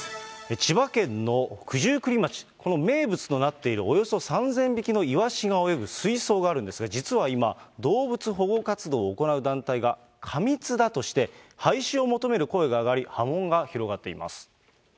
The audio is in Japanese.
千葉県の九十九里町、この名物となっているおよそ３０００匹のイワシが泳ぐ水槽があるんですが、実は今、動物保護活動を行う団体が過密だとして、廃止を求める声が上がり、波紋が広がっています。